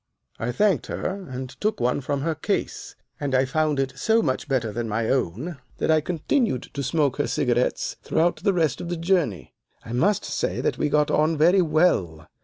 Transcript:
"I thanked her, and took one from her case, and I found it so much better than my own that I continued to smoke her cigarettes throughout the rest of the journey. I must say that we got on very well.